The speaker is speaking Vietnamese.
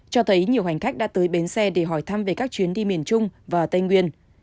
cho thấy nhiều hành khách đã tới bến xe để hỏi thăm về các chuyến đi miền trung và tây nguyên